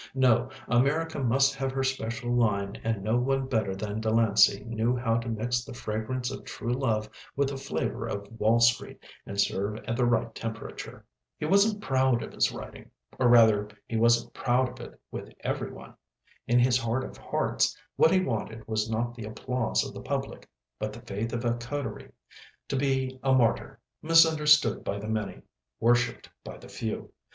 No, America must have her special line and no one better than Delancey knew how to mix the fragrance of true love with the flavour of Wall Street and serve at the right temperature. He wasn't proud of his writing or, rather, he wasn't proud of it with every one. In his heart of hearts, what he wanted was not the applause of the public, but the faith of a coterie, to be a martyr, misunderstood by the many, worshipped by the few.